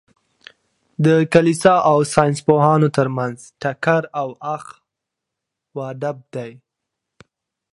د کلیسا او ساینس پوهانو تر منځ ټکر او اخ و ډب دئ.